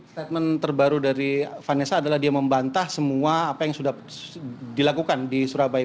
statement terbaru dari vanessa adalah dia membantah semua apa yang sudah dilakukan di surabaya